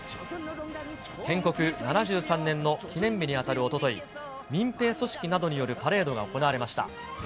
建国７３年の記念日に当たるおととい、民兵組織などによるパレードが行われました。